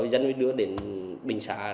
dân đi đưa đến bình xã